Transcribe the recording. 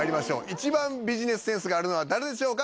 一番ビジネスセンスがあるのは誰でしょうか？